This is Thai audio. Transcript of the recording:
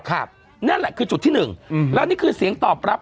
นั่นแหละคือจุดที่หนึ่งอืมแล้วนี่คือเสียงตอบรับ